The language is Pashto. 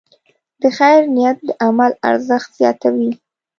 د خیر نیت د عمل ارزښت زیاتوي.